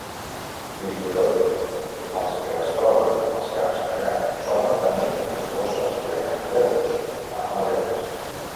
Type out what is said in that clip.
Fins i tot els que es troben en els camps de gra solen tenir les bosses plenes de llavors de males herbes.